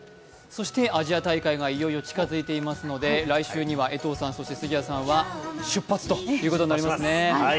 そしてアジア大会がいよいよ近づいていますので来週には江藤さん、杉谷さんは出発ということになりますね。